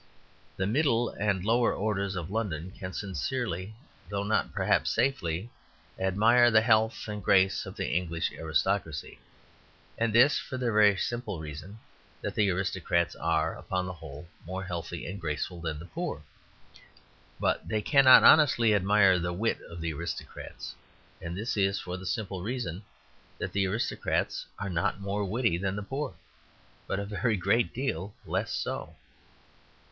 The middle and lower orders of London can sincerely, though not perhaps safely, admire the health and grace of the English aristocracy. And this for the very simple reason that the aristocrats are, upon the whole, more healthy and graceful than the poor. But they cannot honestly admire the wit of the aristocrats. And this for the simple reason that the aristocrats are not more witty than the poor, but a very great deal less so.